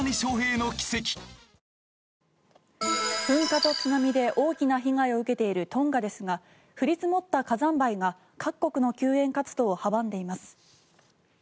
噴火と津波で大きな被害を受けているトンガですが降り積もった火山灰が各国の救援活動を阻んでいます。